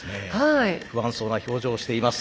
不安そうな表情をしています。